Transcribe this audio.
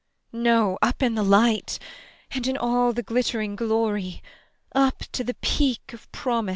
] No, no up in the light, and in all the glittering glory! Up to the Peak of Promise!